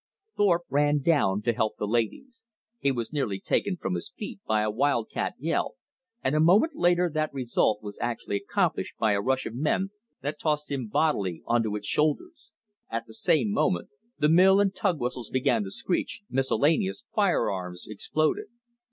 Thorpe ran down to help the ladies. He was nearly taken from his feet by a wild cat yell, and a moment later that result was actually accomplished by a rush of men that tossed him bodily onto its shoulders. At the same moment, the mill and tug whistles began to screech, miscellaneous fire arms exploded.